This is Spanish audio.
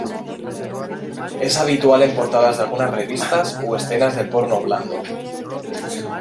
Es habitual en portadas de algunas revistas o escenas de porno blando.